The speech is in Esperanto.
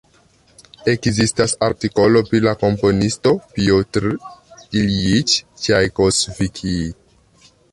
Ekzistas artikolo pri la komponisto Pjotr Iljiĉ Ĉajkovskij.